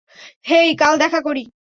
হেই, কাল দেখা করি।